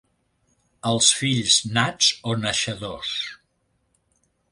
Els fills nats o naixedors.